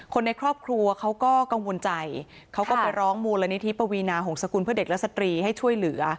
คนในครอบครัวเขาก็กังวลใจเขาก็ไปร้องมูลนิธิปวีนาหงษกุลเพื่อเด็กและสตรีให้ช่วยเหลือ